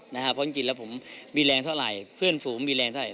เพราะจริงแล้วผมมีแรงเท่าไหร่เพื่อนฝูงมีแรงเท่าไ